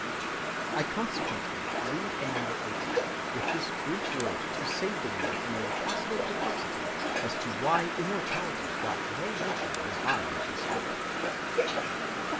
I consequently leave the matter open, with this brief word to save the reader from a possible perplexity as to why immortality got no mention in the body of this book.